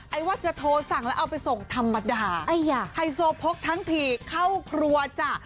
ว่าจะโทรสั่งแล้วเอาไปส่งธรรมดาไฮโซพกทั้งทีเข้าครัวจ้ะ